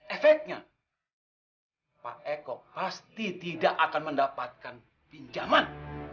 efeknya pak eko pasti tidak akan mendapatkan pinjaman